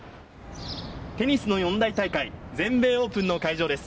テニスの四大大会、全米オープンの会場です。